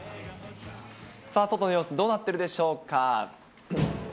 さあ、外の様子どうなってるでしょうか。